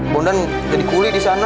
bondan jadi kuli disana